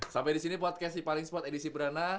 sampai disini podcast sipaling sport edisi perdana